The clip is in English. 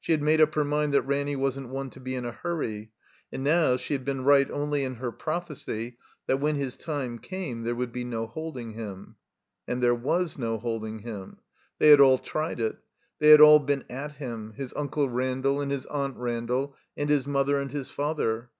She had made up her mind that Ranny wasn't one to be in a hurry; and now she had been right only in her prophecy that when his time came there would be no holding him. And there was no holding him. They had all tried it. They had all been at him; his Unde Randall and his Aunt Randall, and his mother and his father.